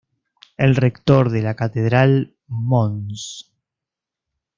El rector de la catedral, Mons.